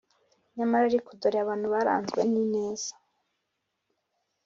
Nyamara ariko, dore abantu baranzwe n’ineza,